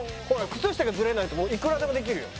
靴下がずれないといくらでもできるよ。